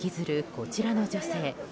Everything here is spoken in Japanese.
こちらの女性。